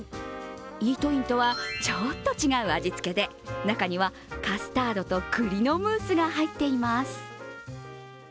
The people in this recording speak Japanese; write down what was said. イートインとはちょっと違う味付けで中にはカスタードと栗のムースが入っています。